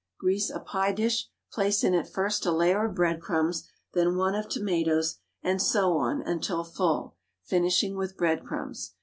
Grease a pie dish, place in it first a layer of breadcrumbs, then one of tomatoes and so on until full, finishing with breadcrumbs.